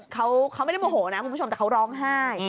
เขาไม่ได้โมโหนะคุณผู้ชมแต่เขาร้องไห้